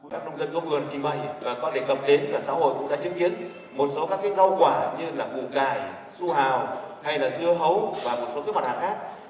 các nông dân có vườn trình bày có đề cập đến và xã hội cũng đã chứng kiến một số các rau quả như là bù gài su hào hay là dưa hấu và một số mặt hàng khác